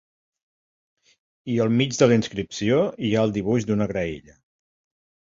I al mig de la inscripció hi ha el dibuix d'una graella.